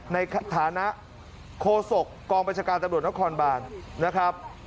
ในฐานะโคศกกองบัญชาการตำรวจนครบานนะครับ